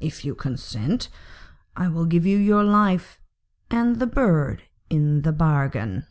If you consent, I will give you your life and the bird into the bargain.'